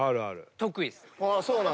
得意っす。